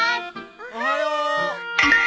おはよう。